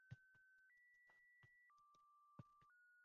Biroq bundan ham natija chiqmapti